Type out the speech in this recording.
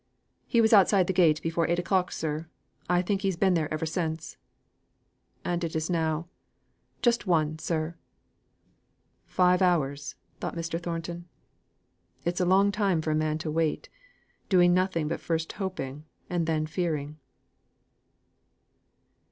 "He was outside the gate before eight o'clock, sir. I think he's been there ever since." "And it is now ?" "Just one, sir." "Five hours," thought Mr. Thornton; "it's a long time for a man to wait, doing nothing but first hoping and then fearing."